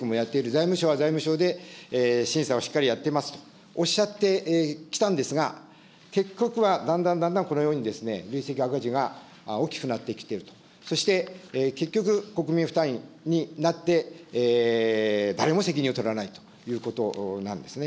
財務省は財務省で審査をしっかりやっていますとおっしゃってきたんですが、結局はだんだんだんだんこのように累積赤字が大きくなってきていると、そして、結局、国民負担になって誰も責任を取らないということなんですね。